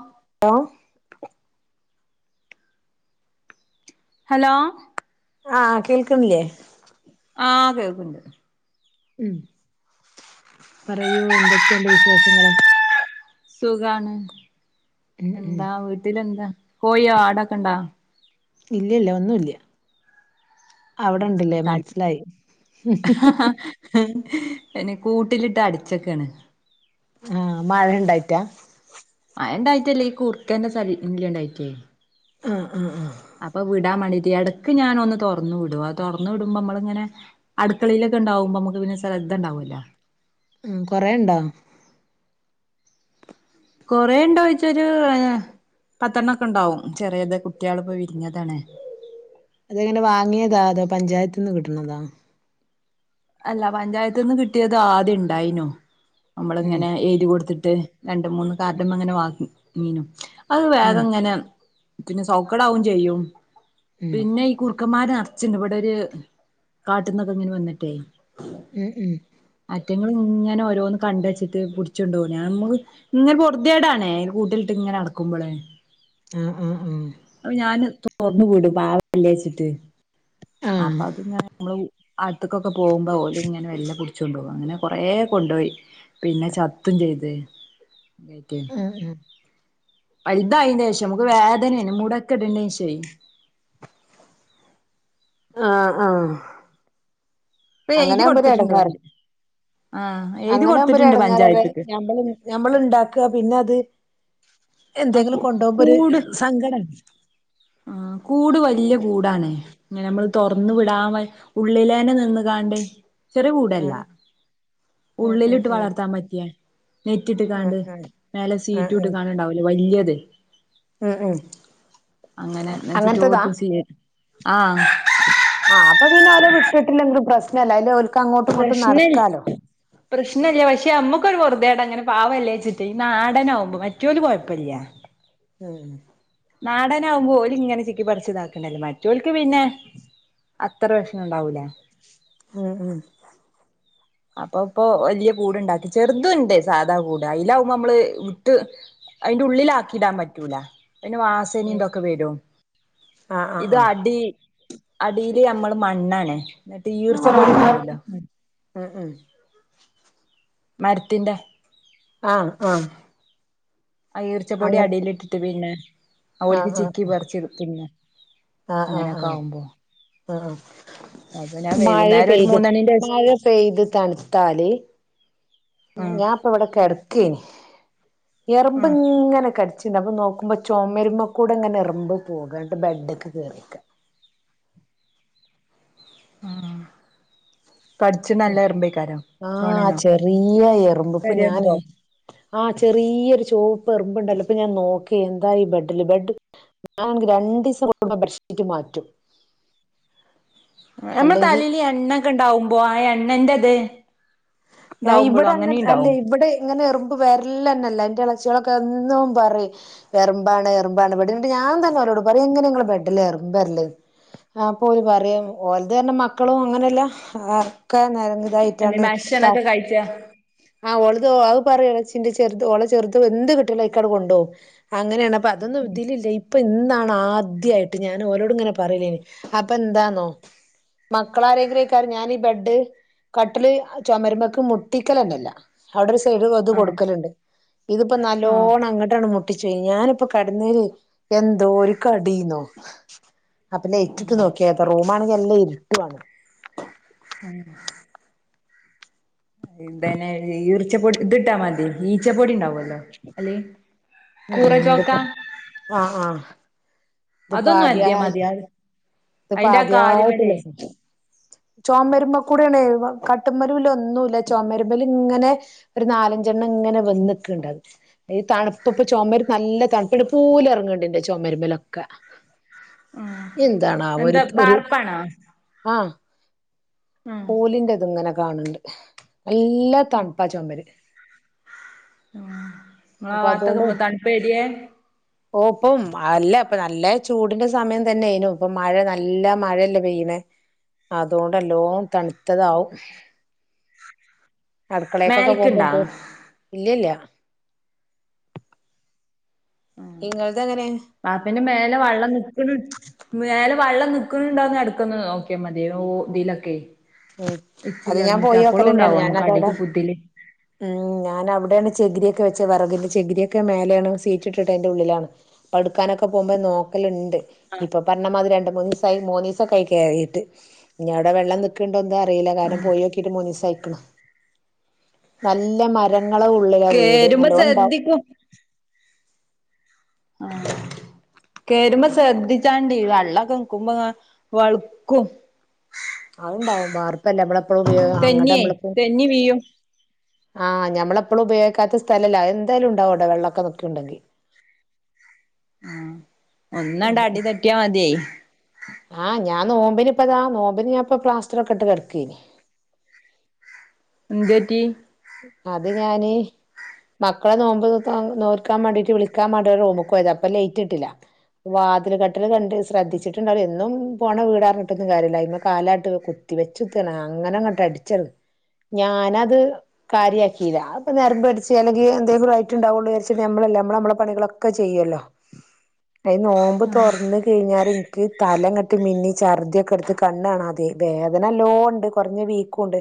ഓ ഓ ഹലോ ആ കേൾക്കുന്നില്ലേ ആ കേൾക്ണ്ട് ഉം പറയൂ എന്തെക്കെണ്ട് വിശേഷങ്ങൾ സുഖാണ് ഉം ഉം എന്താ വീട്ടില് എന്താ കോഴിയും ആടും ഒക്കെ ഉണ്ടോ ഇല്ല ഇല്ല ഒന്നും ഇല്ല്യ അവിടെ ഉണ്ട് ലെ മനസ്സിലായി അയിന് കൂട്ടിലിട്ട് അടച്ചക്കാണ് ആ മഴ ഇണ്ടായിട്ടാ മഴ ഇണ്ടായിട്ടല്ല ഈ കുറുക്കന്റെ ശല്യം ണ്ടായിട്ടെ ഹ് അ ആ ടാൻ വേണ്ടീട്ട് ഇടക്ക് ഞാൻ ഒന്ന് തുറന്ന് വിടും ആ തുറന്ന് വിടുമ്പോ നമ്മൾ ഇങ്ങനെ അടുക്കളയിൽ ഒക്കെ ഉണ്ടാകുമ്പോ നമുക്ക് പിന്നെ ശ്രദ്ധ ഉണ്ടാവല്ലോ ഉം കൊറേ ഇണ്ടോ കൊറേ ഇണ്ടോ ചോയ്ച്ചാ ഒരു പത്തണ്ണാെക്കെ ഇണ്ടാവും ചെറീയത് കുട്ട്യാൾ ഇപ്പോ വിരിഞ്ഞതാണ്. അത് എങ്ങനെ വാങ്ങിയതാ അതോ പഞ്ചായത്ത്ന്ന് കിട്ടുന്നതോ അല്ല പഞ്ചായത്ത്ന്ന് കിട്ടിയത് ആദ്യം ഇണ്ടായിനു നമ്മൾ ഉം ഇങ്ങനെ എഴുതി കൊടുത്തിട്ട് ട്ട് രണ്ടു മൂന്നു കാർഡ്മ്മ ഇങ്ങനെ വാങ്ങി ങ്ങീനു. അഅ് ഉം വേറെ ഇങ്ങനെ പിന്നെ സൗക്കടാവും ചെയ്യും ഉം പിന്നെ ഈ കുറുക്കന്മാർ നർച്ച് ച്ച്ണ്ട് ഇവടെ ഒരു കാട്ട്ന്ന് ഒക്കെ ഇങ്ങനെ വന്ന്ട്ടെ ഉം ഉം ഇറ്റങ്ങൾ ഇങ്ങനെ ഓരോന്ന് കണ്ട് വെച്ചിട്ട് പുട്ച്ച് കൊണ്ടോവും നമ്മൾ ഇങ്ങനെ പോർധിയേഡ് ആണ് കൂട്ടിൽ ഇട്ട് ഇങ്ങനെ അടക്കുമ്പളെ ആ ആ ആ തുറന്ന് വിടും പാവല്ലെന്ന് ച്ച്ട്ട് ആഹ് അപ്പൊ അത് ഇങ്ങനെ നമ്മൾ ഉ ആർത്ത്ക്കോ പോവുമ്പോ ഓല് ഇങ്ങനെ മെല്ലെ പുട് ച്ച് കൊണ്ടോവാഅങ്ങനെ കൊറേ കൊണ്ടോയി പിന്നെ ചത്തും ചെയ്തു ഏ റ്റെ ആഹ് ആഹ് ആഹ് വല്തായീന്റെ ശേഷം നമ്മക്ക് വേദന ആണ് മുട ഒക്കെ ഇട്ണ ശേഷം ആ ആ ഇപ്പൊ എഴുതി കൊടുത്തിട്ടുണ്ട് ആഹ് എഴുതി അങ്ങനെ ആവുമ്പോ കൊടുത്തിട്ടുണ്ട് ഒരിടങ്ങേരാണ് പഞ്ചായത്ത്ക്ക് നമ്മൾ ഇണ്ടാക്കാ പിന്നെ അത് ആ എന്തെങ്കിലും കൊണ്ടോവുമ്പോ ഒരു കൂട് സങ്കടം ആണ് ആ കൂട് വല്യ കൂടാണ് ഇങ്ങനെ നമ്മള് തുറന്ന് വിടാൻ വൈ ഉള്ളിലെഞ്ഞേ നിന്ന് കാണ്ട് ചെറിയ കൂട് അല്ല ആഹ് ആഹ് ആഹ് ഉള്ളിലിട്ട് ആഹ് വളർത്താൻ പറ്റിയ നെറ്റ് ഉം ഇട്ട്കാണ്ട് ഉം മേലെ ഷീറ്റും ഇട്ട്കാണ്ട് ഇണ്ടാവൂലെ വല്യേ തിൽ ആ ആ അങ്ങനെ ഞാൻ ചിട്ടോട് ചെയ്യാൻ ആഹ് അപ്പൊ പിന്നെ ആരെയും വിട്ടിട്ടില്ലെങ്കിലും പ്രശ്നല്യ അയിലെ പ്രശ്നം പ്രശ്നം ഇല്ല പക്ഷെ നമ്മക്ക് ക്കൊരു പൊറുദേണ്ടാങ്ങനെ പാവല്ലേച്ചിട്ട് നാടൻ ആകുമ്പോ മറ്റോൽ കൊയപ്പല്യ മ്മ് നാടൻ ആവുമ്പോ ഓര് ഇങ്ങനെ ചിക്കി പറിച് നടക്കണല്ലേ മറ്റോൾ ക്ക് പിന്നെ അത്ര പ്രശ്നം ഇണ്ടാവൂല മ് മ് അപ്പപ്പോ വല്യ കൂട് ഇണ്ടാകിച്ച് ചേർത്തിണ്ട് സാധ കുട് അയിലമ്പം നമ്മൾ വിട്ട് അയിന്റെ ഉള്ളിൽ ആക്കിടാൻ പറ്റൂല പിന്നെ വാസന ഉം ഇതൊക്കെ വരും ആഹ് ആഹ് ഇത് ആഹ് അടി അടിയില് നമ്മള് മണ്ണ് ആണ്. ന്നിട്ട് ഈർച്ച പൊടി ഇണ്ടാവൊല്ലോ മ് മ് മരത്തിന്റെ ആ ആ അ ഈർച്ചപൊടി അടിയില് ഇട്ടിട്ട് പിന്നെ ഓല്ക് ചിക്കി പറിച് ഇട്ത്തിന്ന ആ ആ ആ ആ അ അപ്പൊ ഞാൻ മഴ വൈകുന്നേരം ഒരു പെയ്‌ത് മൂന്നണിന്റെ മഴ പെയ്ത് തണ്ത്താല് മ് ആഹ് ഞാ ഇപ്പ ഇവിടെ കെടെക്കേനി എറ്മ്പ് ആഹ് ഇങ്ങനെ കടിച്ച്ണ്ട് അപ്പൊ നോ ക്കുമ്പ ചൊമരുമക്കൂടെ ഇങ്ങനെ എറ്മ്പ് പോക് ന്നിട്ട് ബെഡ്ക്ക് കേറിയക്ക്. അ ആ ആ ചെറിയ എറിമ്പ് ഇപ്പ ഞാന് കരിമ്പോ ആ ചെറിയ ഒര് ചോപ്പ് എർമ്പ് ണ്ടല്ലോ? ഇപ്പ ഞാൻ നോക്കി എന്താ ഈബെഡില് ബെഡ്ഡ് ഞാനാണെങ്കി രണ്ടീസം കൂടുമ്പോ ബെഡ്ഷീറ്റ് മാറ്റും. നമ്മളെ അല്ലെങ്കി തലേലീ എണ്ണക്ക ഇണ്ടാവുമ്പോ ആ എണ്ണന്റെത് ഇതാവുമ്പോളോ ഇവിടെ അങ്ങനെ അല്ല ഉണ്ടാവും ഇവിടെ ഇങ്ങനെ എറുമ്പ് വരല്ന്നെല്ലാ ഇന്റെ എളാച്ചിയാളോക്കെ ന്നും പറയും എറമ്പാണ് എറമ്പാണ് ഇവിടെന്നിട്ട് ഞാഎന്തായാലും പറഞ്ഞ് കൊടുക്കും എങ്ങനെ നിങ്ങടെ ബെഡില് എറമ്പ് വരല് അപ്പോ ഓര് പറയും ഒര്ന്നല്ല മക്കളും അങ്ങനല്ല അക്കെ നേരന്നു എ തായിട്ടാണ് മഷണൊക്കെ കഴിച്ച ആ ഓള്തോ ആ [unintelligible] ചെറുത് ഓളെ ചെറുത് എന്ത് കിട്ടിലും അതൊക്കെ അങ്ങ് കൊണ്ട് പോകും അങ്ങനെയാണ് പോ അതൊന്നും ഇതിലില്ല ഇപ്പോ ഇന്ന് പ്പാണ് ആദ്യായിട്ട് ഞാൻ ആരോടും ഇങ്ങനെ പറയില്ലാന്നു അതെന്താന്നോ മക്കളാരെങ്കിലും ആയിക്കാരം ഞാൻ ഈ ബെഡ് കട്ടില് അ ചൊമരുമേക്ക് മുട്ടിക്കലെന്നെ ഇല്ല അവിടെ ഒരു സ് [unintelligible] അത് ആഹ് കൊടുക്കലുണ്ട് ഇതിപ്പോ ആഹ് നല്ലോണം അംങ്ങോട്ടാണ് മുട്ട് ടിച്ചു ഞാൻ ഇപ്പോ കടനെയ്ല് എന്തോ ഒരു കടീന്നെ അപ്പോ ലൈറ്റ് ഇട്ടു നോക്കി ഞാൻ റും റൂം ആണെങ്കിൽ നല്ല ഇരുട്ട് ആണ് മ് എന്താനാ ഈർച്ച പൊടി ഇത് ഇട്ടാ മതി ഈച്ച പൊടിണ്ടാവുല്ലോ ചോക്ക ആ ആ അതൊന്നും അല്ല മതിയാവൂല്ലാ തിപ്പോദ്യായിട്ടു ഉള്ള സംഭവം ചൊമര്മ്മകൂടേണ് വ കട്ട്മ്മെലുല്ല ഒന്നുല്ല ചൊമര്മെല്ങ്ങനെ ഒരു നാലഞ്ചെണ്ണം ഇങ്ങനെ വന്ന്ക്ക്ണ്ടാവും ഈ തണ് തുപ്പ് ചൊമര് നല്ല തണ്പ്പ്ണ്ട് പൂലറങ്ങ്ണ്ട് ഇന്റെ ചൊമര്മെലൊക്കെ ആഹ് താണാവോ എന്താ ഒരുത് ഒരു ബാർപ്പാണോ ആഹ് ആഹ് പൂല്ന്റെത്ങ്ങനെ കാണ് ണ്ട് നല്ല തണുപ്പാ ചൊമര് ഇങ്ങളെ ആഹ് വാത്തൊ‌ക്കെ മ് തണുപ്പേരിയെ ഓ പ്പം അല്ലാ ഇപ്പം നല്ല ചൂടിന്റെ സമയം തന്നേനുപ്പം മഴ നല്ല മഴല്ലേ പെയ്യന്നേ അതോണ്ടല്ലോ തണ്ത്തതാവും അടുക്കളേല്ക്കൊക്കെ പോമ്പോ മേൽക്ക്ണ്ടാ [unintelligible] ഇല്ലില്യ ആഹ് ഇങ്ങളത് അങ്ങനെ വാർകെന്റെ മേലെ വള്ളം നിക്ക്ണ് [unintelligible] വള്ളം നിക്കുന്നുന്നുണ്ടോ എടുകുന്നുണ്ടോന്ന് നോക്കിയ മതി ഓഹ് ഇതിലൊക്കെ അത് ഞാൻ ഇച്ചിലറിഞ്ഞിട്ട് പോയ അപ്പളും ഒക്കെല് തന്നെയാണ് ഉണ്ടാവും ഞാൻ നമ്മക്ക് അതവിടെ അടിക്ക് പുതില് ഉമ് ഞാൻ അവിടെയാണ് ചെകിരി ക് വെച്ചേ വേറകിന്റെ ചെകിരി ഒക്കെ മേലെയാണ് ഷിറ്റിട്ടിട്ടു അയിന്റെ ഉള്ളിലാണ് എടുക്കാനൊക്കെ പോകുമ്പോ നോക്കല് ആഹ് ഇപ്പൊ പറഞ്ഞമാതിരി രണ്ടു മൂന്നീസായി മൂന്നീസൊക്കെയായി കേറീട്ട് ഇഞവ്ടെ വെള്ളം നി ക്ക്ണ്ടോ എന്താ അറീല്ല കാരണം പോയോക്കിട്ട് മൂന്നീസായിക് ണ് നല്ല മരങ്ങള ഉള്ളിലാ വീട് കേറുമ്പോ നല്ലോണ്ടാവും ശ്രദ്ധിക്കും ആഹ് കേര്മ്പോ ശ്രദ്ധിച്ചാണ്ടി വള്ളൊക്കെ നിക്കുമ്പോങ്ങാ വള്ക്കും അഹ്ണ്ടാവും വാർപ്പല്ലേ നമ്മളെപ്പളും ഉപയോഗ അങ്ങട് തെന്നിയേ നമ്മളെപ്പൊ തെന്നി വീഴും ആഹ് ഞമ്മളെപ്പളും ഉപയോഗിക്കാത്ത സ്ഥലല്ലേ അയെന്തായാലും ഉണ്ടാവു അവ്ടെ വെള്ളൊക്കെ നിക്ക്ണ്ടെങ്കി മ് ഒന്നടാ അടി തെറ്റിയാ മതിയെ ആഹ് ഞാൻ നോമ്പിനിപ്പതാ നോമ്പിന് ഞാൻ ഇപ്പ പ്ലാസ്റ്റർ ഒക്കെ ഇട്ട് കെടക്കേനി എന്തുപറ്റി അത് ഞാന് മക്കളെ നോമ്പ് നോൽക്കാൻ വേണ്ടീട്ട് വിളിക്കാൻ വേണ്ടി റൂമ്ക്കോയതാ അപ്പൊ ലൈറ്റ് ഇട്ടില്ല വാതിൽ കട്ടില് തട ട്ട് ശ്രദ്ധിച്ചിട്ടുണ്ടാവില്ല എന്നും പോണ വീടാറിഞ്ഞിട്ടൊന്നും കാര്യല്ല അയ്മ്മ കാലാട്ട് കുത്തി വെച്ചു വെച്ചുത്താണ് അങ്ങനെ അങ്ങട്ട് അടിച്ചത് ഞാനത് കാര്യയാക്കില്ല അത്പ്പൊ നരമ്പ് അടിച്ച് അല്ലെങ്കി എന്തെങ്കിലുവായിട്ടുണ്ടാവോള്ളൂ വിചാരിച് നമ്മളല്ലേ നമ്മള് നമ്മളെ പണികളൊക്കെ ചെയ്യൊല്ലോ ട്ടെ ഈനോമ്പ് തൊറ്ന്നു കഴിഞ്ഞാൽ ഇൻക്ക് തലങ്ങട്ട് ത്‌മിന്നി ചർദിയൊക്കെ എടുത്ത് കണ്ണ് കാണതെയായി വേദന നല്ലോണ്ട് കുറഞ്ഞ വീകൊണ്ട്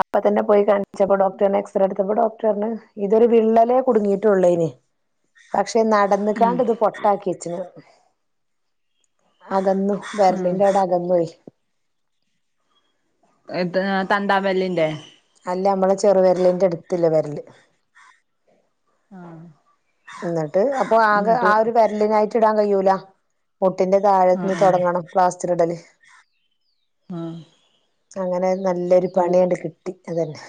അപ്പ തന്നെ പോയി കണ്ട് ണിചപ്പോ ഡോക്ടറർ ഞ്ഞ് എക്സറേട്ത്തപ്പോ ഡോക്ടറ് പറഞ്ഞു ഇതൊരു വിള്ളലേ കുടുങ്ങിട്ടൊള്ളായിനി പക്ഷെ പക്ഷെ ഉം നടന്ന്കാണ്ട് ഇത് പൊട്ടാക്കി വെച്ച് ണ് അകന്നു ഉം വെരലിന്റെ അവിടെ അകന്ന് പോയി എത് തന്താവെര്ലിന്റെ അല്ല നമ്മളെ ചെറുവിരലിന്റെ അടുത്തിള്ള വിരല് ആഹ് എന്ന്ട്ട് അപ്പൊ ആകെ എന്നിട്ട് ആ ഒരു വെരലിനായിട്ട് ഇടാൻ കഴിയൂല്ല ല്ല മുട്ടിന്റെ ആഹ് താഴെന്ന് തൊടങ്ങണം പ്ലാസ്റ്ററ് ഇടല് ആഹ് അങ്ങനെ നല്ലൊരു ആഹ് പണിയണ്ട് കിട്ടി അതന്നെ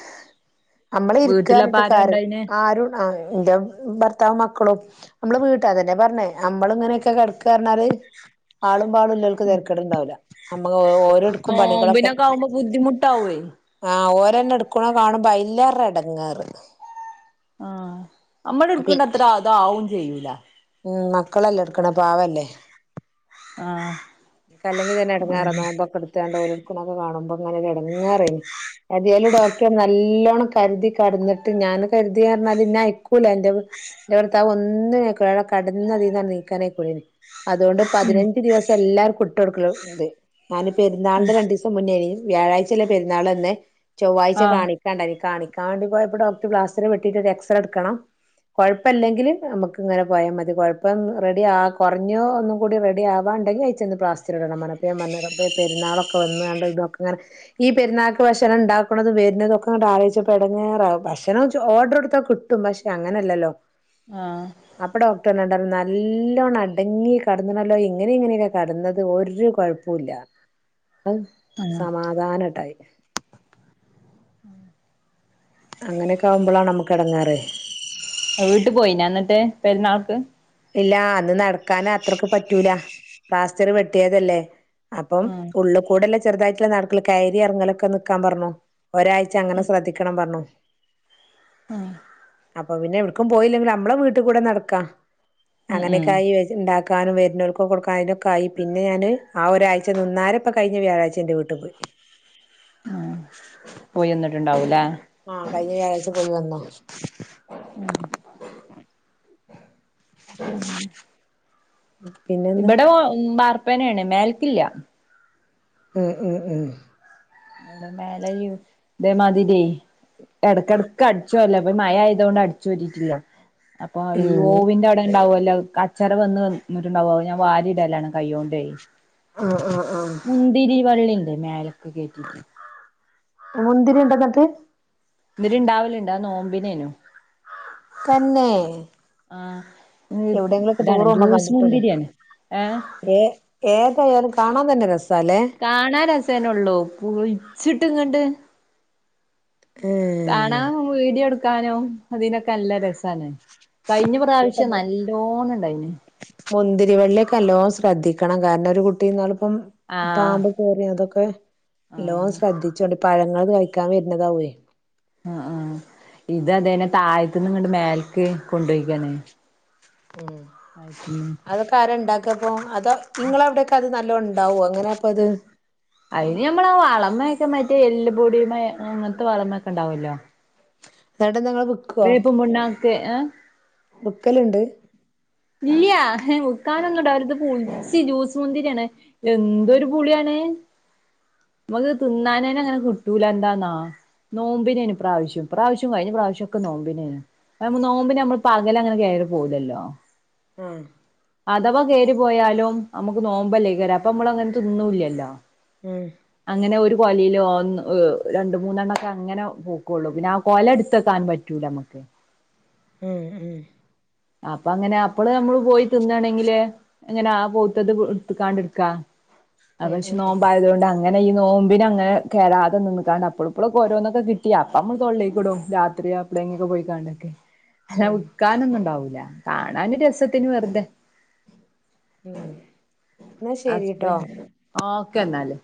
നമ്മള് വീട്ടിലപ്പ ഇരിക്കാറ്ട്ട് ആരാ കാര് ഇണ്ടായിനെ ആരും ആഹ് എന്റെ ഭർ ത്താവും മക്കളും നമ്മളെ വീട്ടാരന്നെയ പറഞ്ഞെ നമ്മൾ ഇങ്ങനെക്കെ കിടക്കാന്നർഞ്ഞാല് ആളും പാളും ഉള്ളോൽക്ക് തെരക്കെട്ണ്ടാവുല്ല നോമ്പിനൊക്കെ ആവുമ്പോ ബുദ്ധിമുട്ട് ആവുവേ ആഹ് ഓരെന്നെ എടുക്കുന്ന കാണുമ്പോ അതിലേറെ ഇടങ്ങേറ് ആഹ് നമ്മൾ എടുക്കണ അത്ര അതു ആവുകയും ചെയൂല്ലാ ഇല്ലാ ഉം മക്കൾ അല്ലെ എടുക്കണേ പാവല്ലേ ആഹ് അല്ലെങ്കിൽ തന്നെ എടങ്ങാറാ അതന്നെ നോമ്പ് ഒക്കെ എടുത്തയൊണ്ട് ഒക്കെ കാണുമ്പോ ഇടങ്ങേറ് ആയിനു എതായാലും ഡോക്ടർ നല്ലോണം കരുതി കിടന്നിട്ട് ഞാൻ കരുതിയ കാരണം എന്നെ അയക്കൂല്ലാ എന്റെ വീ എന്റെ ഭർത്താവ് ഒന്നിനും അയക്കുല്ല കിടന്ന് അതിൽന്നു എണീക്കാനായി പോയിന് അതുകൊണ്ട് ഉം പതിനഞ്ചു ദിവസം എല്ലാരും കു ട്ട് കൊടുക്കലിണ്ട് ഞാന് പെരുന്നാളിന്റെ രണ്ട് ദിവസം മുന്നേ വ്യാഴാഴ്ച അല്ലെ പെരുന്നാൾ വന്നെ ചൊവ്വാഴ്ച ആഹ് കാണിക്കാണ്ടായിനി കാണിക്ക പോയപ്പോ ഡോക്ടർ പ്ലാസ്റ്റർ വെട്ടിട്ട് എക്സറേ എടുക്കണം കുഴപ്പമില്ലെങ്കിൽ നമുക്ക് ഇങ്ങനെ പോയാ മതി കുഴപ്പം റെഡി ആ കുറഞ്ഞോ ഒന്നു കൂടി റെഡിയാവാണ്ടെങ്കി അയച്ചന്ന് പ്ലാസ്റ്റർ ഇടണംഅപ്പൊ ഞാൻ പറഞ്ഞു റബ്ബേ പെരുന്നാളൊക്കെ വന്ന കണ്ട ഇതൊക്കെ ഇങ്ങെ ഈ പെരുന്നാൾക്ക് ഭക്ഷണം ഉണ്ടാക്കുന്നതും വരുന്നതും ഒക്കെങ്ങനെ ആലോചിച്ചപ്പോ ഇടങ്ങേറ് ആവും ഭക്ഷണം ഓർഡർ എടുത്താ കിട്ടും പക്ഷെ അങ്ങനെയല്ലല്ലോ ആഹ് അപ്പൊ ഡോക്ടർ [unintelligible] നല്ലോണ്ണം അടങ്ങി കിടന്നിനല്ലോ ഇങ്ങനെ ഇങ്ങനെയൊക്കെ കിടന്നത് ഒരു കൊഴപ്പൂല്ലാ അത് സമാധാനട്ടായി ഉം അങ്ങനെയൊക്കെ ആവുമ്പളാണ് നമ വീട്ട് പോയിനൊ എന്നിട്ട് പെരുന്നാൾ ക്ക് ഇല്ല അന്ന് നടക്കാന അത്രക്ക് പറ്റൂല പ്ലാസ്റ്റർ വെട്ടിയതല്ലേ അപ്പം ഉം ഉള്ളു കൂടെല്ല ചെറുതായിട്ടുള്ള നടക്കല് കയറി ഇറങ്ങലൊക്കെ നിക്കാൻ പറഞ്ഞു ഒരാഴ്ച അങ്ങനെ ശ്രദ്ധിക്കണം പറഞ്ഞു അപ്പൊ പിന്നെ എവിടക്കും പോയില്ലെങ്കിൽ നമ്മളെ വീട്ടിൽ കൂടെ നടക്കാം ഉം ഉം അങ്ങനെയൊക്കായി ഉണ്ടാക്ക ക്കാനും വരുന്നോൽകൊക്കെ കൊടുക്കാനും അതിനൊക്കെ ആയി പിന്നെ ഞാന് ആ ഒരാഴ്ച നിന്നാരെ കഴിഞ്ഞ വ്യാഴാഴ്ച്ച എന്റെ വീട്ടിൽ പോയി ഉം പോയി നിന്നിട്ടുണ്ടാവൂലേ ആഹ് കഴിഞ്ഞ വ്യാഴാഴ്ച പോയി വന്നോ [unintelligible] [unintelligible] പിന്നെന്താ ഇവിടൊ [unintelligible] വർ പ്പനാണ് മേൽക്കില്ല ഹ് ഹ് ഹ് ഇതേ മാതിരി ഇടക്കടക്ക് അടിച്ച് വാരല ഇപ്പം മഴയായതുണ്ട് അടിച്ചുവാരിറ്റി ഇല്ല അപ്പോ ഈ ഉം ഓവിന്‍റെ അവിടെ ഉണ്ടാവുല്ലോ ലെ കച്ചറ വന്നിട്ടുണ്ടാവും അത് ഞാൻ വാരി ഇടലാണ് കയ്യോണ്ട് അ അ മുന്തിരിവള്ളി മേലെക് മുന്തിരി ഇവിടെ തൃ ന്തിരി ഉണ്ടാവലുണ്ട് അത് നോമ്പിന് ആയിന് തന്നെ അ എവിടെയെങ്കിലുമൊക്കെ ഇതാണ് ടൂർ പോകുമ്പോ ജ്യൂസ് കണ്ടിട്ടുള്ളൂ മുന്തിരിയാണ് എ യാലും കാണാൻ തന്നെ രസം കാണാരസം രസം തന്നെയുള്ളൂ പുളിച്ചിട്ട് ഇങ്ങണ്ട് ഏഹ് കാണാം വീഡിയോ എടുക്ക ക്കാനും അതിനൊക്കെ നല്ല രസാണ് കഴിഞ്ഞ പ്രാവശ്യം നല്ലോണം ഇണ്ടായിന് മുന്തിരിവെള്ളിയൊക്കെ അല്ലോ ശ്രദ്ധിക്കണം കാരണം ഒരു കുട്ടിന്നാൾ ഇപ്പം ആഹ് പാമ്പ് കോറി അതൊക്കെ വേ ല്ലോ ആഹ് ശ്രദ്ധിച്ചോടു പഴങ്ങള് കഴിക്കാൻ വര്ണതാവുവേ ആ ആ ഇത് അതേന്നെ താഴത്ത്‌ന്ന്ങ്ങണ്ട് മേലക്ക് കൊണ്ടുപോയിക്കണേ ഉം അതൊക്കെ ആരണ്ടാ ക്കപ്പോ അത് നിങ്ങളവിടെക്കെ അത് നല്ലോ ഒണ്ടാവോ അങ്ങനെയാപ്പത് അയിന് ഞമ്മളാ വളമെക്കെ മറ്റേ എല്ല്പ്പൊടിമേ അങ്ങനത്തെ വളമക്കെ ണ്ടാവല്ലോ [unintelligible] നിങ്ങള് വിക്കുവോ? പുണ്ണാക്ക് ഏഹ് വിക്കല്ണ്ട് ഇല്ല്യ ഹ് വിക്കാനൊന്നുണ്ടാവില്ല ഇത് പുളിച്ച് ജ്യൂസ് മുന്തിരിയാണ് എന്തൊരു പുളിയാണ് നമുക്ക് തിന്നാനേന്നെ ങ്ങനെ കിട്ടൂല എന്താന്നാ നോമ്പിനെന് പ്രാവശ്യം പ്രാവശ്യം കഴിഞ്ഞ പ്രാവശ്യം ഒക്കെ നോമ്പിനെണ് നോമ്പിനെ നമ്മള് പകലങ്ങനെ കേറി പോവുലല്ലോ ആഹ്‌ അഥവാ കേറിപ്പോയാലും നമ്മുക്ക് നോമ്പല്ലേ കേറി അപ്പൊ നമ്മളങ്ങനെ തിന്നുല്ലല്ലോ ഉം അങ്ങനെ ഒരു കൊലയില് ഒ രണ്ട് മൂന്നെണ്ണൊക്കെ അങ്ങനെ പുക്കുള്ളു പിന്നെ ആ കൊല എടുത്തക്കാൻ പറ്റൂല നമ്മുക്ക് മ്മ് മ്മ് അപ്പൊ അങ്ങനെ അപ്പള് നമ്മള് പോയി തിന്നാണെങ്കില് അങ്ങനെ ആ പുത്തത് എടുത്തെങ്ങാണ്ട് ഇട്ക്കാ ആ ഉം പഷേ ഉം നോമ്പായതുകൊണ്ടങ്ങ ങ്ങനെ ഈ നോമ്പിന അങ്ങനെ കേറാതെ നിന്ന്ക്കണ്ട് അപ്പളു ഇപ്പളോക്ക ഓരോന്നൊക്കെ കിട്ടി യപ്പം നമ്മള് തൊള്ളേക്ക് ഇടും രാത്രി അപ്പടെങ്ങൊക്കെ പോയിക്കാണ്ടൊക്കെ ഹല്ല ഉം വിക്ക്ക്കാനൊന്നും ണ്ടാവു ല്ല കാണാന് ഒരു രസത്തിന് വെർതെ എന്നാ ശെരി ട്ടോ ഹസ്ബൻഡ് [unintelligible] എന്നാല്